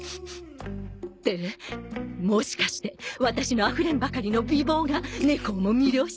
ってもしかしてワタシのあふれんばかりの美貌が猫をも魅了しちゃった？